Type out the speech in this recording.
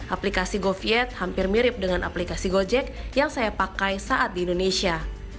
aplikasi goviet hampir mirip dengan aplikasi gojek yang saya pakai saat di indonesia